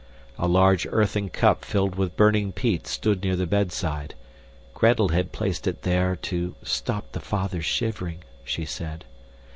A large earthen cup filled with burning peat stood near the bedside; Gretel had placed it there to "stop the father's shivering," she said.